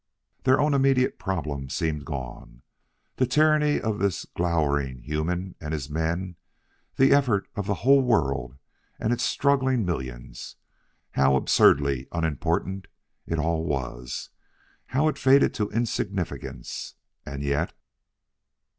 Their own immediate problem seemed gone. The tyranny of this glowering human and his men the efforts of the whole world and its struggling millions how absurdly unimportant it all was! How it faded to insignificance! And yet....